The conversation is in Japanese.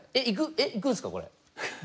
えっ行くんすかこれ？